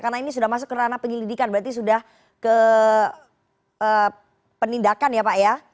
karena ini sudah masuk ke ranah penyelidikan berarti sudah ke penindakan ya pak ya